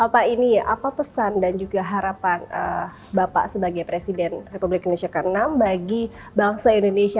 pak ini apa pesan dan juga harapan bapak sebagai presiden republik indonesia ke enam bagi bangsa indonesia